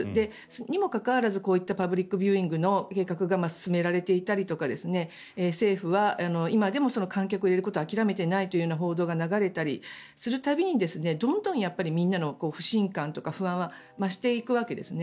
にもかかわらず、こういったパブリックビューイングの計画が進められていたりとか政府は今でも観客を入れることを諦めていないという報道が流れたりする度にどんどんみんなの不信感とか不安は増していくわけですね。